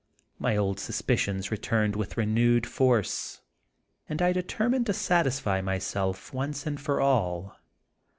My old suspicions returned with renewed force, and I determined to satisfy myself once for all.